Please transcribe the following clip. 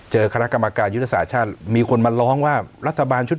คณะกรรมการยุทธศาสตร์ชาติมีคนมาร้องว่ารัฐบาลชุด